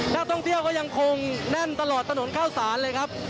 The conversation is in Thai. นักเจ้าเที่ยวเค้ายังคงแน่นตลอดตระหนดเก้าสารเลยครับ